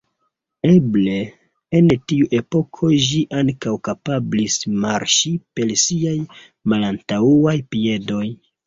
Eble en tiu epoko ĝi ankaŭ kapablis marŝi per siaj malantaŭaj piedoj.